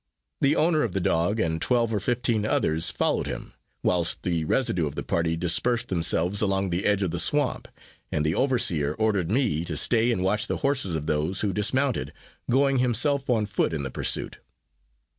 The owner of the dog and twelve or fifteen others followed him, whilst the residue of the party dispersed themselves along the edge of the swamp, and the overseer ordered me to stay and watch the horses of those who dismounted, going himself on foot in the pursuit.